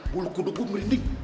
bulu kuduk gue merinding